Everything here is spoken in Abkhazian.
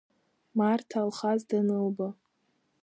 Марҭа Алхас данылба…